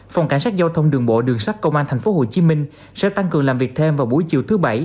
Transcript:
phòng cảnh sát giao thông đường bộ đường sắt công an tp hcm sẽ tăng cường làm việc thêm vào buổi chiều thứ bảy